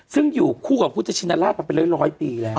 ซึ่งอยู่คู่กับพุทธชินลาศไปเลยร้อยปีเลย